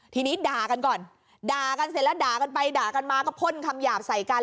ทีนี้ด่ากันก่อนด่ากันเสร็จแล้วด่ากันไปด่ากันมาก็พ่นคำหยาบใส่กัน